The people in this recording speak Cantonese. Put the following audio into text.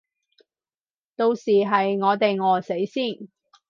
到時係我哋餓死先